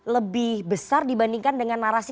lebih besar dibandingkan dengan narasi